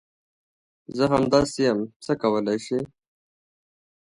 زه همداسي یم ، څه کولی شې ؟